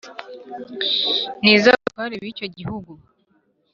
n’iz’abatware b’icyo gihugu